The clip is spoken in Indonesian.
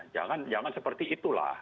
jangan seperti itulah